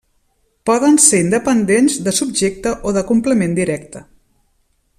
Poden ser independents, de subjecte o de complement directe.